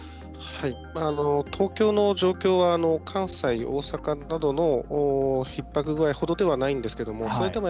東京の状況は関西、大阪などのひっ迫具合ほどではないんですがそれでも、